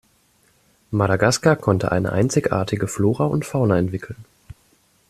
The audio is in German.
Madagaskar konnte eine einzigartige Flora und Fauna entwickeln.